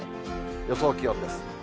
予想気温です。